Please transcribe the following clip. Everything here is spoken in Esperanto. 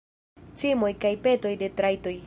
Cimoj kaj petoj de trajtoj.